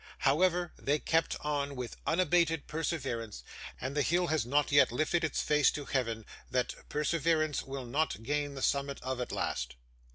However, they kept on, with unabated perseverance, and the hill has not yet lifted its face to heaven that perseverance will not gain the summit of at last.